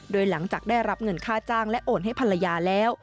โดยหลังจากได้รับเงินค่าจ้างและโอนให้ภรรยาแล้ว